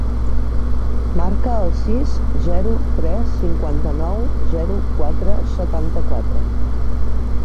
Marca el sis, zero, tres, cinquanta-nou, zero, quatre, setanta-quatre.